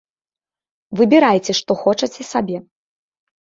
Выбірайце, што хочаце сабе.